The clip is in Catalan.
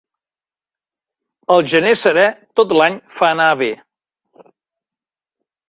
El gener serè tot l'any fa anar bé.